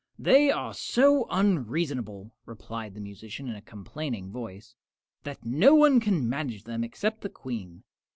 "They are so unreasonable," replied the musician, in a complaining voice, "that no one can manage them except the Queen.